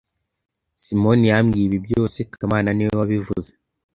Simoni yambwiye ibi byose kamana niwe wabivuze